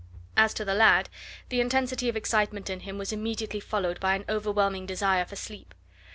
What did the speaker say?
As to the lad, the intensity of excitement in him was immediately followed by an overwhelming desire for sleep.